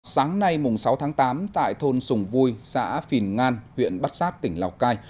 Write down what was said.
sáng nay mùng sáu tháng tám tại thôn sùng vui xã phìn ngan huyện bắt sát tỉnh lào cai